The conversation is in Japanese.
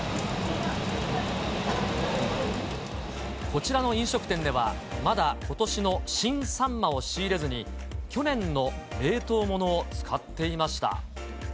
こちらの飲食店では、まだことしの新サンマを仕入れずに、去年の冷凍ものを使っていました。